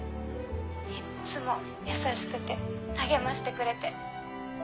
いっつも優しくて励ましてくれて。